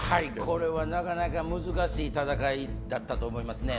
これはなかなか難しい戦いだったと思います。